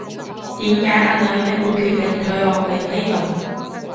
點解阿女你會決定退學嚟呢度